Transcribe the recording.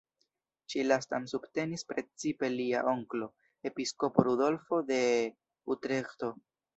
Ĉi lastan subtenis precipe lia onklo, Episkopo Rudolfo de Utreĥto.